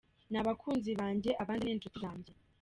ni abakunzi banjye abandi ni inshuti zanjye”.